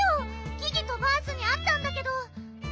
ギギとバースにあったんだけど。